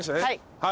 はい。